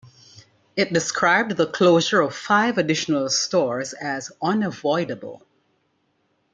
It described the closure of five additional stores as "unavoidable".